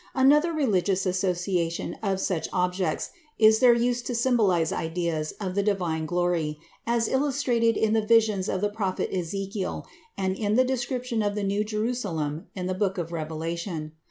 Another religious association of such objects is their use to symbolize ideas of the Divine glory, as illustrated in the visions of the prophet Ezekiel and in the description of the New Jerusalem in the book of Revelation.